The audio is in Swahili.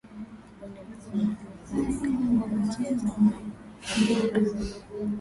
bonde la olduvai lina mabaki ya zamadamu